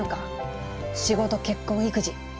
仕事結婚育児。